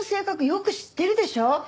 よく知ってるでしょ？